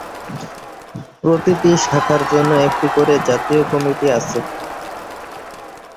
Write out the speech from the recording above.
প্রতিটি শাখার জন্যে একটি করে জাতীয় কমিটি আছে।